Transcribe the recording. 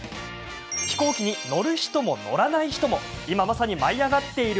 飛行機に乗る人も乗らない人も今まさに舞いあがってる！